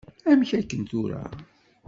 Amek aken tura?